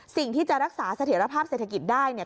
สิ่งที่จะรักษาเสถียรภาพเศรษฐกิจได้เนี่ย